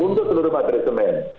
untuk seluruh pabrik semen